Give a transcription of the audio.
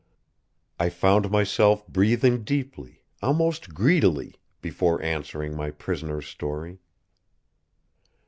I found myself breathing deeply, almost greedily, before answering my prisoner's story.